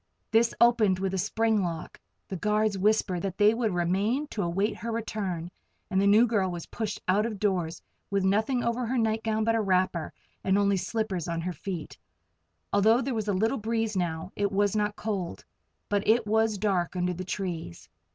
This opened with a spring lock. The guards whispered that they would remain to await her return, and the new girl was pushed out of doors, with nothing over her nightgown but a wrapper, and only slippers on her feet. Although there was little breeze now, it was not cold. But it was dark under the trees.